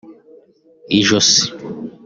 ijosi